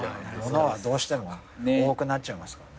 物はどうしても多くなっちゃいますからね。